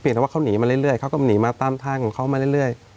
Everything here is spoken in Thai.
แต่ว่าเขาหนีมาเรื่อยเขาก็หนีมาตามทางของเขามาเรื่อย